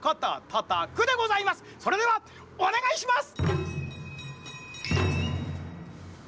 それではおねがいします！